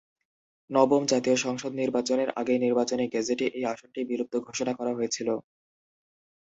নবম জাতীয় সংসদ নির্বাচনের আগে নির্বাচনী গেজেটে এই আসনটি বিলুপ্ত ঘোষণা করা হয়েছিল।